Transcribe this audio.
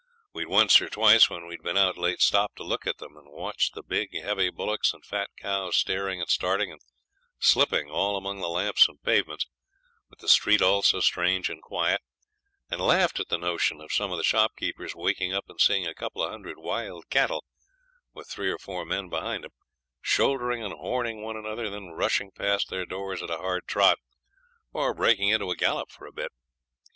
We'd once or twice, when we'd been out late, stopped to look at them, and watched the big heavy bullocks and fat cows staring and starting and slipping all among the lamps and pavements, with the street all so strange and quiet, and laughed at the notion of some of the shopkeepers waking up and seeing a couple of hundred wild cattle, with three or four men behind 'em, shouldering and horning one another, then rushing past their doors at a hard trot, or breaking into a gallop for a bit.